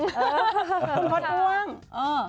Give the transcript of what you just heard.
ค่ะ